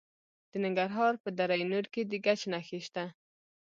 د ننګرهار په دره نور کې د ګچ نښې شته.